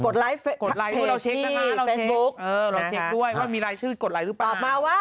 ต้องกดไลฟพชนด้วยป่าล